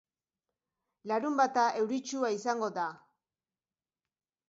Larunbata euritsua izango da.